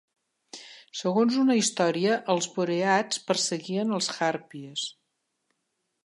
Segons una història, els Boreads perseguien als Harpies.